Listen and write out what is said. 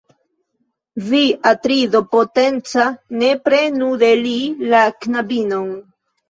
Vi, Atrido potenca, ne prenu de li la knabinon.